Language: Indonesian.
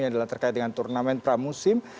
adalah terkait dengan turnamen pramusim